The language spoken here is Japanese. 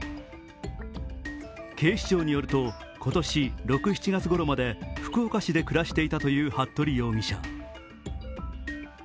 警視庁によると、今年６７月ごろまで福岡市で暮らしていたという服部容疑者。